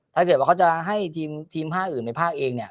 ถ้าเกิดว่าเขาจะให้ทีมภาคอื่นในภาคเองเนี่ย